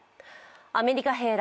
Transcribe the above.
アメリカ兵ら